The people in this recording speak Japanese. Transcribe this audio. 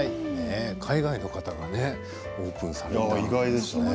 海外の方がオープンされたんですね。